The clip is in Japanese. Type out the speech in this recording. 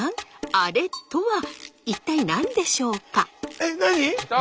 アレとは一体何でしょうか？